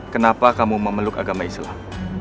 kenapa kamu memeluk agama islam